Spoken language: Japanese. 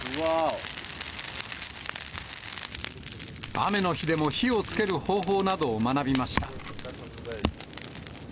雨の日でも火をつける方法などを学びました。